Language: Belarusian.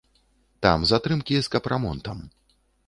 Там затрымкі з капрамонтам.